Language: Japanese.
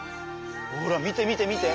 ほら見て見て見て！